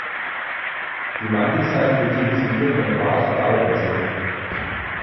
Die Mantelseiten bezog sie wieder von der "Basler Arbeiter-Zeitung".